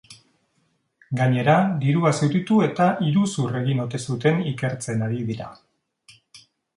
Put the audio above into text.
Gainera, dirua zuritu eta iruzur egin ote zuten ikertzen ari dira.